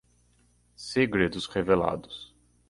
Segredos revelados